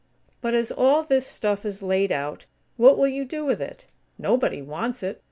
But, as all this stuff is laid out, what will you do with it? Nobody wants it.